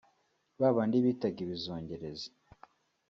babandi bitaga ibizungerezi